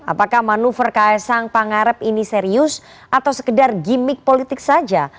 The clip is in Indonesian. apakah manuver ks sang pangarep ini serius atau sekedar gimmick politik saja